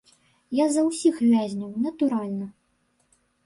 Я за ўсіх вязняў, натуральна.